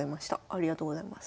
ありがとうございます。